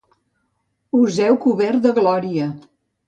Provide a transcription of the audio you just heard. Us heu cobert de glòria!